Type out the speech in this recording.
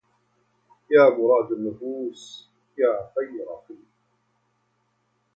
يا مراد النفوس يا خير خل